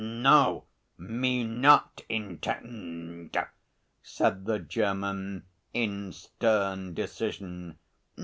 "No, me not intend," said the German in stern decision.